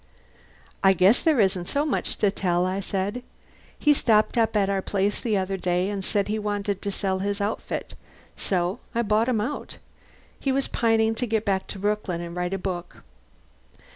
"I guess there isn't so much to tell," I said. "He stopped up at our place the other day, and said he wanted to sell his outfit. So I bought him out. He was pining to get back to Brooklyn and write a book."